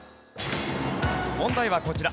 問題はこちら。